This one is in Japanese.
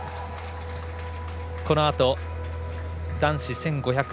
このあと男子１５００